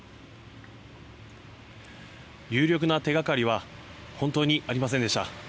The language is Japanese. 有力な手掛かりは本当にありませんでした。